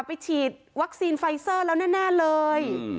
ฉีดวัคซีนไฟเซอร์แล้วแน่เลย